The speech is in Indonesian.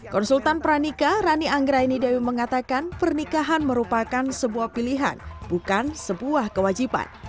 konsultan pernikah rani anggraini dewi mengatakan pernikahan merupakan sebuah pilihan bukan sebuah kewajiban